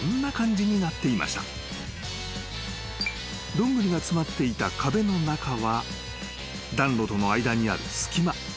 ［ドングリが詰まっていた壁の中は暖炉との間にある隙間］